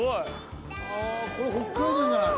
ああこれ北海道じゃない？